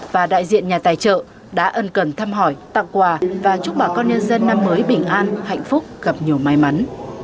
và đại diện nhà tài trợ đã ân cần thăm hỏi tặng quà và chúc bà con nhân dân năm mới bình an hạnh phúc gặp nhiều may mắn